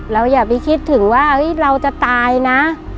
อย่าไปคิดถึงว่าเราจะตายนะ